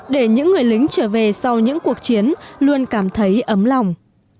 để những người lính trở về sau những cuộc chiến luôn cảm thấy ấm lòng